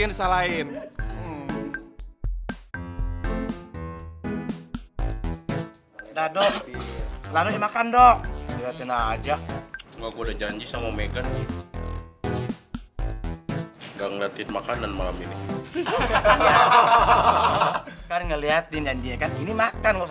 assalamualaikum warahmatullahi wabarakatuh